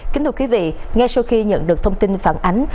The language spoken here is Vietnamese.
kính thưa quý vị ngay sau khi nhận được thông tin phản ánh